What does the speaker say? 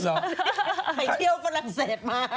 หรือไปเชี่ยวฝรั่งเศสมา